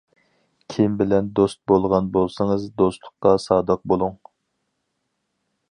كىم بىلەن دوست بولغان بولسىڭىز، دوستلۇققا سادىق بولۇڭ.